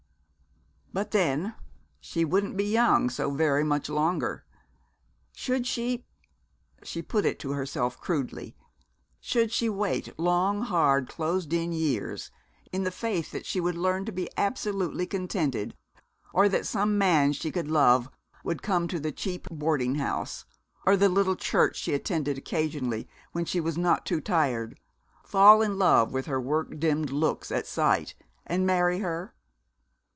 But, then, she wouldn't be young so very much longer. Should she she put it to herself crudely should she wait long, hard, closed in years in the faith that she would learn to be absolutely contented, or that some man she could love would come to the cheap boarding house, or the little church she attended occasionally when she was not too tired, fall in love with her work dimmed looks at sight, and marry her?